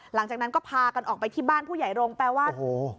หลังจากนั้นก็พากันออกไปที่บ้านผู้ใหญ่โรงแปลว่าโอ้โห